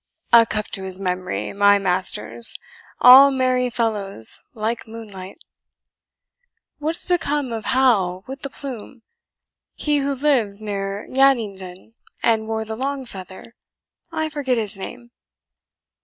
A cup to his memory, my masters all merry fellows like moonlight. What has become of Hal with the Plume he who lived near Yattenden, and wore the long feather? I forget his name."